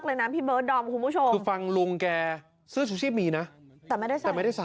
แต่ไม่ได้ใส่